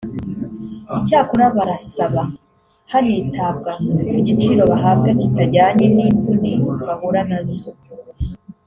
Icyakora barasaba hanitabwa ku giciro bahabwa kitajyanye n’imvune bahura nazo